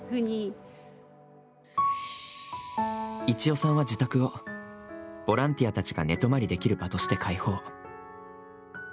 一代さんは自宅をボランティアたちが寝泊りできる場として開放。